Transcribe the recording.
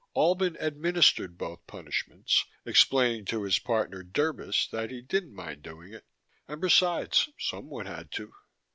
Albin administered both punishments, explaining to his partner Derbis that he didn't mind doing it and, besides, someone had to.